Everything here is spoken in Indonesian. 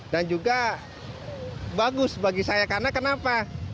dan juga bagus bagi saya karena kenapa